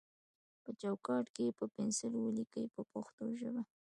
په چوکاټ کې یې په پنسل ولیکئ په پښتو ژبه.